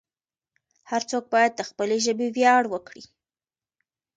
هر څوک باید د خپلې ژبې ویاړ وکړي.